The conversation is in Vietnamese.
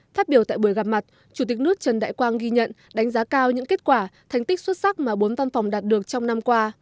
phát biểu tại buổi gặp mặt chủ tịch nước trần đại quang ghi nhận đánh giá cao những kết quả thành tích xuất sắc mà bốn văn phòng đạt được trong năm qua